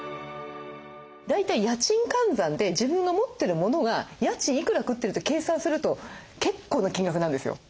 大体家賃換算で自分が持ってるモノが家賃いくら食ってるって計算すると結構な金額なんですよ。